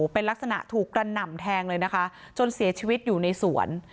เป็นลักษณะถูกกระหน่ำแทงเลยนะคะจนเสียชีวิตอยู่ในสวน